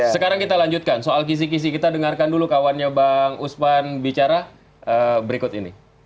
sekarang kita lanjutkan soal kisi kisi kita dengarkan dulu kawannya bang usman bicara berikut ini